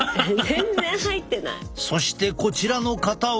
そしてこちらの方は。